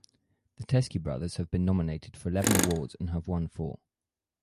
The Teskey Brothers have been nominated for eleven awards and have won four.